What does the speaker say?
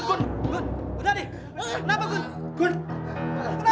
tapi agak teasten